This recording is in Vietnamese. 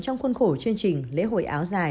trong khuôn khổ chương trình lễ hội áo dài